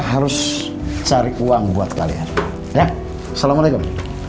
harus cari uang buat kalian ya assalamualaikum